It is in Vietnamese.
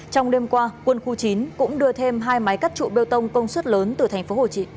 trong đêm qua quân khu chín cũng đưa thêm hai máy cắt trụ bê tông công suất lớn từ thành phố hồ chị